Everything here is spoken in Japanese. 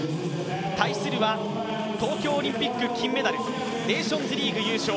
対するは東京オリンピック金メダルネーションズリーグ優勝